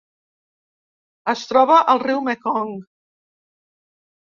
Es troba al riu Mekong.